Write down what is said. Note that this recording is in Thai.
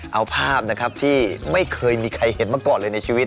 เอาภาพนะครับที่ไม่เคยมีใครเห็นมาก่อนเลยในชีวิต